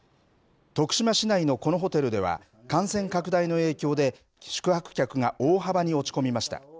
徳島市内のこのホテルでは感染拡大の影響で宿泊客が大幅に落ち込みました。